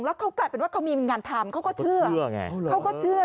แล้วเขากลายเป็นว่าเขามีงานทำเขาก็เชื่อไงเขาก็เชื่อ